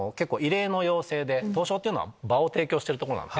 東証っていうのは場を提供してるとこなんで。